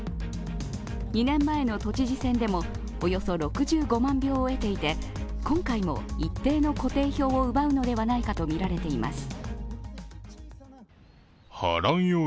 ２年前の都知事選でもおよそ６５万票を得ていて今回も一定の固定票を奪うのではないかとみられています。